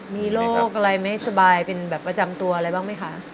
มีโรคอะไรไม่สบายเป็นแบบประจำตัวอะไรบ้างไหมคะ